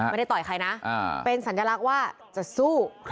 ต่อยใครนะเป็นสัญลักษณ์ว่าจะสู้